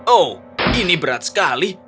oh ini berat sekali